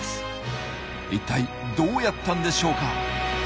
一体どうやったんでしょうか？